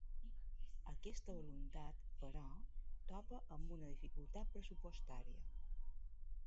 Aquesta voluntat, però, topa amb una dificultat pressupostària.